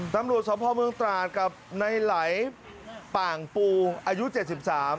น้ำรวชสมภารมึงตราดกรรมนัยไหลปากปูอายุเจ็ดสิบสาม